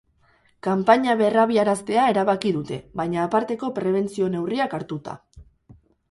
Kanpaina berrabiaraztea erabaki dute, baina aparteko prebentzio neurriak hartuta.